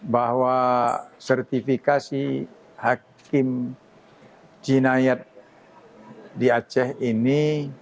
bahwa sertifikasi hakim jinayat di aceh ini